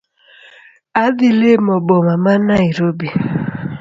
Adhi limo boma mar Nairobi